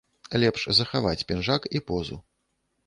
Лепш захаваць пінжак і позу.